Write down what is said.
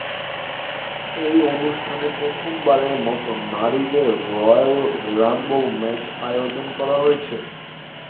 এই অনুষ্ঠানে প্রথমবারের মতো নারীদের রয়্যাল রাম্বল ম্যাচ আয়োজন করা হয়েছে।